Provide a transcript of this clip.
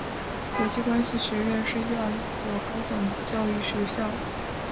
国际关系学院是伊朗一所高等教育学校。